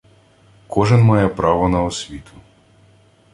Кожен має право на освіту